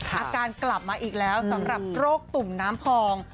อาการกลับมาอีกแล้วสำหรับโรคตุ่มน้ำพอง